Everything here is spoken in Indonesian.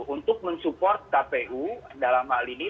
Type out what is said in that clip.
untuk mensupport kpu dalam hal ini